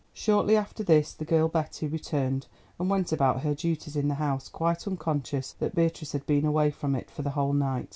Shortly after this the girl Betty returned, and went about her duties in the house quite unconscious that Beatrice had been away from it for the whole night.